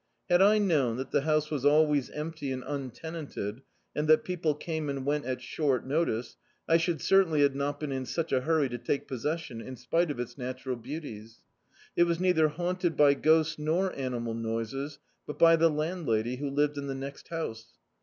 Had I known that die house was always emp^ and untenanted, and that people came and went at short notice, I should certainly not have been in such a hurry to take possession, in spite of its natural beauties. It was neither hatmted by ghosts nor ani mal noises, but by the landlady, who lived in the next house.